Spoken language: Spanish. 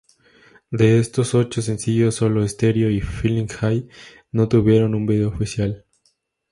De estos ocho sencillos, sólo "Stereo" y "Feelin' high" no tuvieron un video oficial.